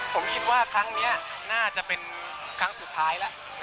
ผมคิดว่าครั้งนี้น่าจะเป็นครั้งสุดท้ายแล้ว